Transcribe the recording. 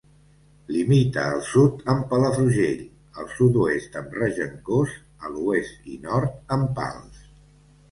Limita al sud amb Palafrugell, al sud-oest amb Regencós, a l'oest i nord amb Pals.